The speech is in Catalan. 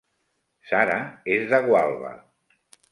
Sara és de Gualba